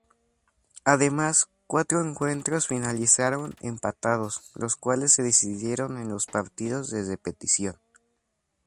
Además, cuatro encuentros finalizaron empatados, los cuales se decidieron en los partidos de repetición.